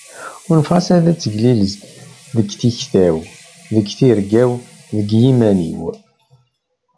Unfeɣ-as ad teglilez deg tikta-w, deg tirga-w d yiman-iw.